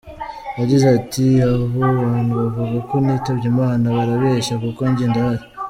Yagize ati “Abo bantu bavuga ko nitabye Imana barabeshya kuko njye ndahari.